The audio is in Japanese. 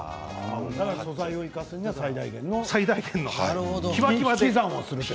素材を生かすには最大限の。